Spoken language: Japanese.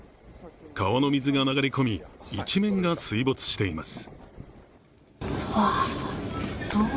川の水が流れ込み、一面が水没しています。